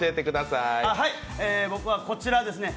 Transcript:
僕はこちらですね。